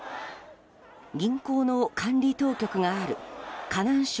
銀行の管理当局がある河南省